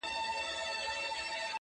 چي یو ږغ کړي د وطن په نامه پورته-